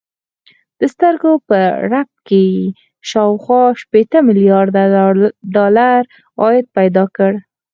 د سترګو په رپ کې يې شاوخوا شپېته ميليارده ډالر عايد پيدا کړ.